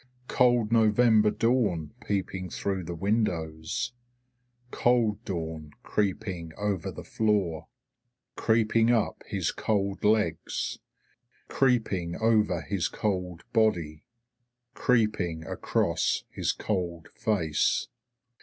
Cold November dawn peeping through the windows, cold dawn creeping over the floor, creeping up his cold legs, creeping over his cold body, creeping across his cold face.